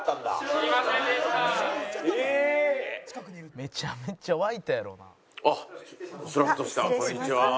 「めちゃめちゃ沸いたやろうな」